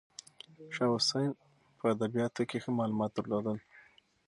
شاه حسین په ادبیاتو کې ښه معلومات درلودل.